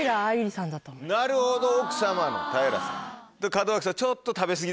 なるほど奥様の平さん。